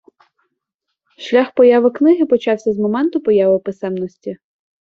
Шлях появи книги почався з моменту появи писемності.